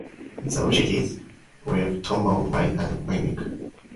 These cities were Toronto, Montreal and Winnipeg.